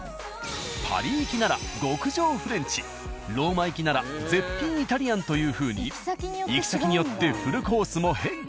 パリ行きなら極上のフレンチローマ行きなら絶品イタリアンというふうに行き先によってフルコースも変化。